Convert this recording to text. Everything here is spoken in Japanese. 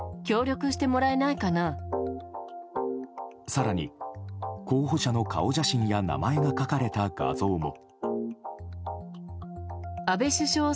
更に、候補者の顔写真や名前が書かれた画像も。